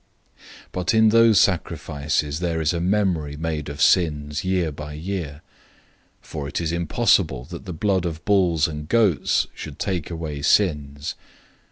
010:003 But in those sacrifices there is yearly reminder of sins. 010:004 For it is impossible that the blood of bulls and goats should take away sins.